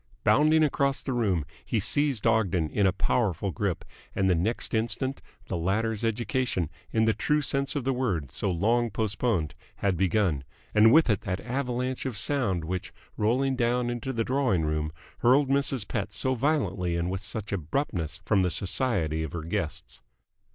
Bounding across the room, he seized Ogden in a powerful grip, and the next instant the latter's education, in the true sense of the word, so long postponed, had begun; and with it that avalanche of sound which, rolling down into the drawing room, hurled Mrs. Pett so violently and with such abruptness from the society of her guests.